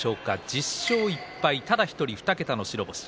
１０勝１敗、ただ１人２桁の白星。